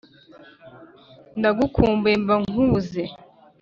Ndagukumbuye mba nkubuze